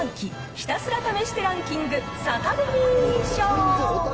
ひたすら試してランキングサタデミー賞。